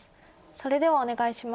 それではお願いします。